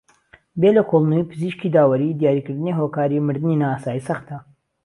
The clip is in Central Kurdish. بێ لێکۆڵێنەوەی پزیشکی داوەریی دیاریکردنی هۆکاری مردنی نائاسایی سەختە